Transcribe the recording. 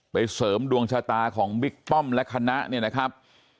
เสริมดวงชะตาของบิ๊กป้อมและคณะเนี่ยนะครับ